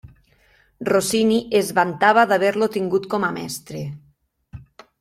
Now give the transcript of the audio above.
Rossini es vantava d'haver-lo tingut com a mestre.